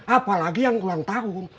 apalagi yang ulang tahun